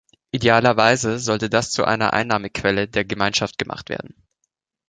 Idealerweise sollte das zu einer Einnahmequelle der Gemeinschaft gemacht werden.